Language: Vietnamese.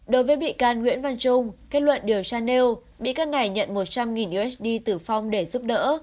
đối với bị can nguyễn văn trung kết luận điều chanel bị các ngài nhận một trăm linh usd từ phong để giúp đỡ